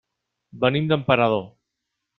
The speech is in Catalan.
Venim d'Emperador.